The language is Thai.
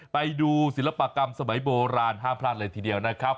ไปดูศิลปกรรมสมัยโบราณห้ามพลาดเลยทีเดียวนะครับ